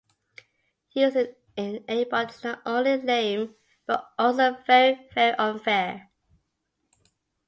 Using an aimbot is not only lame but also very very unfair.